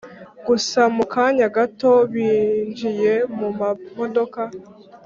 gusa mukanya gato binjiye mumodoka